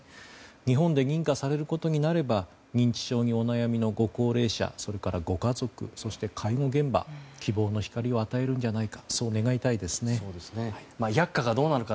日本で認可されることになれば認知症でお悩みのご高齢者それから、ご家族そして介護現場に希望の光を与えるんじゃないか。